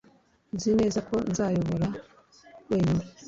Nzi neza ko nzayobora wenyine